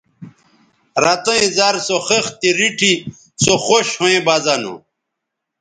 رَتیئں زر سو خِختے ریٹھی سو خوش ھویں بہ زہ نو